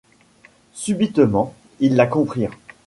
Subitement ils la comprirent.